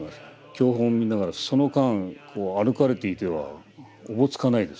経本を見ながらその間歩かれていてはおぼつかないです